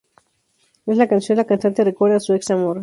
En la canción la cantante recuerda a su ex amor.